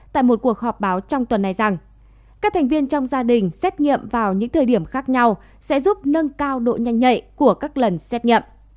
tại một cuộc họp báo trong tuần này rằng các thành viên trong gia đình xét nghiệm vào những thời điểm khác nhau sẽ giúp nâng cấp cho gia đình